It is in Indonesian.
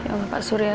ya allah pak surya